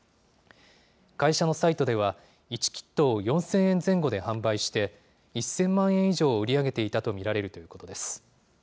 会社のサイトでは、１キットを４０００円前後で販売して、１０００万円以上を売り上げていたと見られるということです。